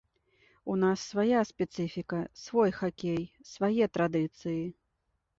У нас свая спецыфіка, свой хакей, свае традыцыі.